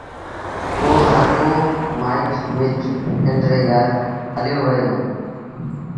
پو هرڪو مآئيٽ مٽ پنڊري گھر هليو وهي دو